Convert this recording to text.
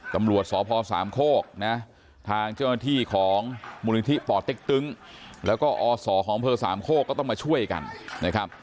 ตำรวจสพสามโคกนะทางเจ้าหน้าที่ของมูลนิธิป่อเต็กตึงแล้วก็อศของอำเภอสามโคกก็ต้องมาช่วยกันนะครับ